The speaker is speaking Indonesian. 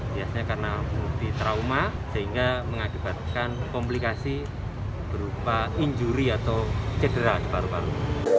biasanya karena multi trauma sehingga mengakibatkan komplikasi berupa injuri atau cedera di paru paru